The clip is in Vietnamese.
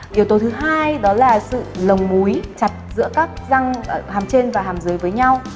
yếu tố thứ hai đó là sự lồng múi chặt giữa các răng hàm trên và hàm giới với nhau